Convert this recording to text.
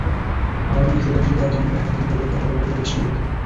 আবার অনেকে সৃজনশীল কাজ যেমন লেখালেখি, ছবি আঁকা, ফটোগ্রাফি, অভিনয়ের সঙ্গে যুক্ত।